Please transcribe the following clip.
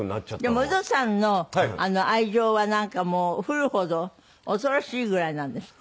でもウドさんの愛情はなんか降るほど恐ろしいぐらいなんですって？